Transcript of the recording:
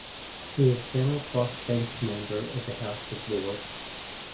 He is now a Crossbench member of the House of Lords.